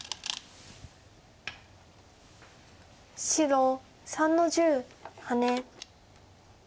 白３の十ハネ。